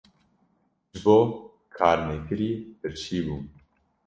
ji bo karnekirî birçî bûm.